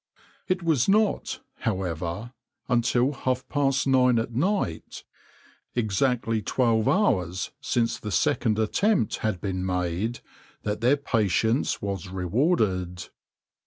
It was not, however, until half past nine at night, exactly twelve hours since the second attempt had been made, that their patience was rewarded.